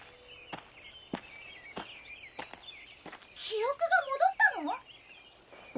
記憶が戻ったの！？